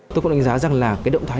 tôi cũng đánh giá rằng là cái động thái